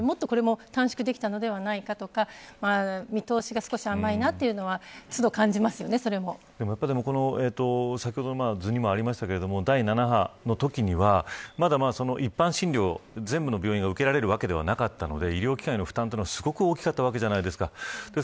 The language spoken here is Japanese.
もっと短縮できたのではないかとか見通しが少し甘いなというのは先ほどの図にもありましたが第７波のときにはまだまだ一般診療全部の病院が受けられるわけではなかったので、医療機関への負担はすごく大きかったわけじゃないですか。